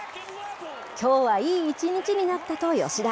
きょうはいい一日になったと吉田。